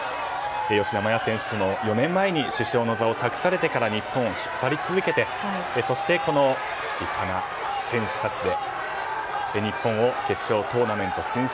吉田麻也選手も４年前に主将の座を託されてから日本を引っ張り続けてそして、この立派な選手たちで日本を決勝トーナメント進出。